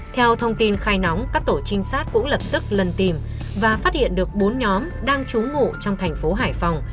theo thông tin khai nóng các tổ trinh sát cũng lập tức lần tìm và phát hiện được bốn nhóm đang trú ngủ trong thành phố hải phòng